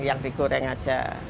yang digoreng aja